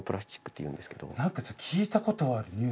何か聞いたことあるニュースとかで。